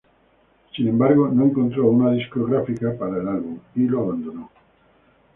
Sin embargo, no encontró una discográfica para el álbum y lo abandonó.